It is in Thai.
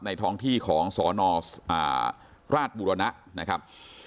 ท้องที่ของสนราชบุรณะนะครับ